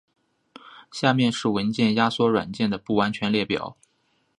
下面是文件压缩软件的不完全列表。